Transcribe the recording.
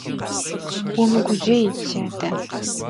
- Умыгужьей, си адэ.